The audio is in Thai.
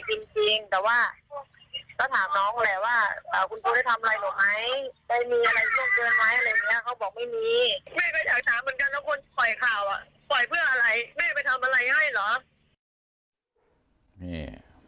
แม่ก็อยากถามเหมือนกันแล้วคนปล่อยข่าวปล่อยเพื่ออะไรแม่ไปทำอะไรให้เหรอ